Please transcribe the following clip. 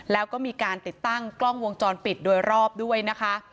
แล้วก็มีการติดตั้งกล้องวงจรปิดโดยรอบด้วยนะคะ